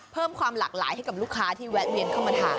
เพิ่มความหลากหลายให้กับลูกค้าที่แวะเวียนเข้ามาทาน